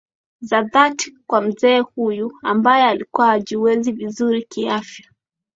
za dhati kwa mzee huyu ambae alikuwa ajiwezi vinzuri kiafya